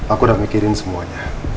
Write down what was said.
aku udah mikirin semuanya